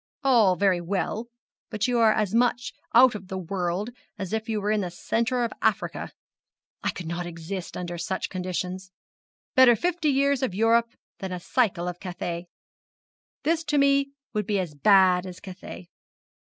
'All very well; but you are as much out of the world as if you were in the centre of Africa. I could not exist under such conditions. Better fifty years of Europe than a cycle of Cathay. This to me would be as bad as Cathay.